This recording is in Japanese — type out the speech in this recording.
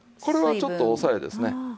これはちょっと抑えですね。